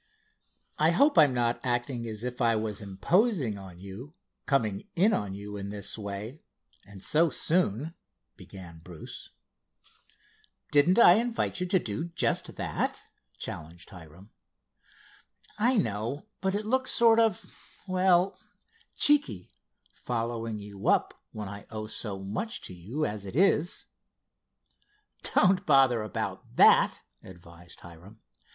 "I hope I'm not acting as if I was imposing on you, coming in on you in this way, and so soon," began Bruce. "Didn't I invite you to do just that?" challenged Hiram. "I know, but it looks sort of—well, cheeky, following you up when I owe so much to you as it is." "Don't bother about that," advised Hiram.